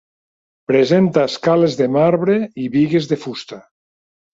Presenta escales de marbre i bigues de fusta.